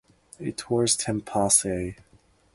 It was ten past eight.